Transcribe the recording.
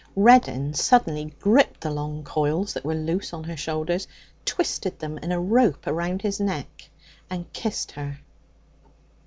Reddin suddenly gripped the long coils that were loose on her shoulders, twisted them in a rope round his neck, and kissed her.